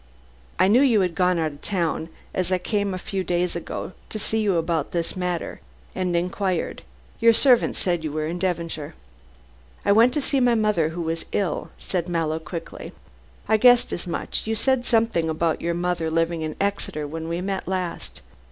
"I knew you had gone out of town, as I came a few days ago to see you about this matter, and inquired. Your servant said you were in Devonshire " "I went to see my mother who was ill," said Mallow quickly. "I guessed as much. You said something about your mother living in Exeter when we met last.